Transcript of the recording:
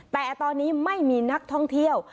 แต่ตอนนี้ไม่มีนักท่องเที่ยว